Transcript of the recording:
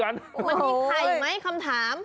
มันมีไข่ไหมคำถาม